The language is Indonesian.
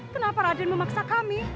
kenapa raden memaksa kami